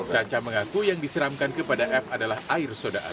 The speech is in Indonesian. caca mengaku yang disiramkan kepada f adalah air soda api